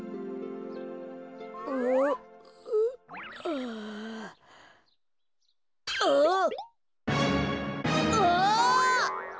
うわあ！